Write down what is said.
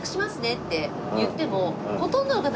って言っても。